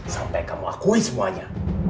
sampai kamu akui semuanya